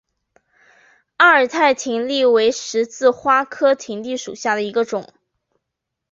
阿尔泰葶苈为十字花科葶苈属下的一个种。